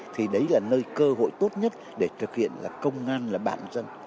thì đấy là nơi cơ hội tốt nhất để thực hiện là công an là bạn dân